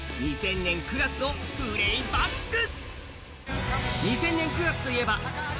２０００年９月をプレイバック。